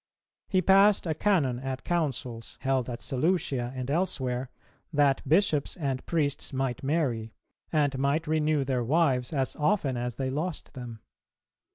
[295:1] He passed a Canon at Councils, held at Seleucia and elsewhere, that bishops and priests might marry, and might renew their wives as often as they lost them.